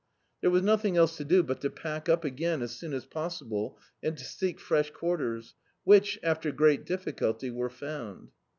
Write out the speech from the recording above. There was nothing else to do but to pack up again as soon as possible and to seek fresh quarters, which, after great difficulty, were found.